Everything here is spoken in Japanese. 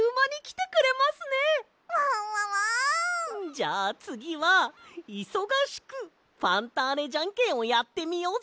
じゃあつぎはいそがしくファンターネジャンケンをやってみようぜ！